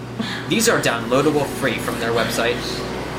These are downloadable free from their website.